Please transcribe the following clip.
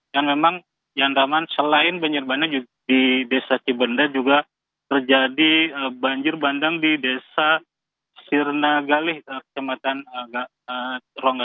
dan memang yan rahman selain banjir bandang di desa cibenda juga terjadi banjir bandang di desa sirna galih kecepatan rungga